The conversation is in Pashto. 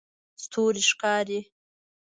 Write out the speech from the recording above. ستوری ښکاري